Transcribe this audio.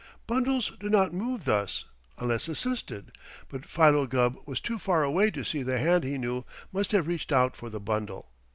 Bundles do not move thus, unless assisted, but Philo Gubb was too far away to see the hand he knew must have reached out for the bundle.